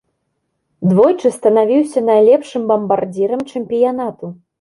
Двойчы станавіўся найлепшым бамбардзірам чэмпіянату.